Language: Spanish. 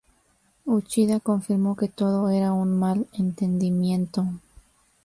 Uchida confirmó que todo era un mal entendimiento.